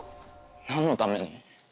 何のために？